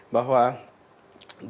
bahwa dari unit usaha bumd